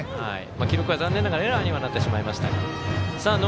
記録は残念ながらエラーにはなってしまいました。